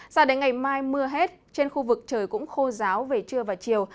sao đến ngày mai mưa hết trên khu vực trời cũng khô giáo về trưa và chiều